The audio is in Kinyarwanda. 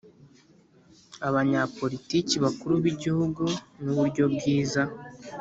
Abanyapolitiki Bakuru b Igihugu n uburyo bwiza